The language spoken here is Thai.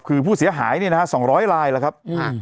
คือผู้เสียหายเนี่ยนะฮะ๒๐๐ลายแล้วครับ